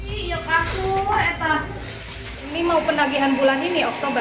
ini mau penagihan bulan ini oktober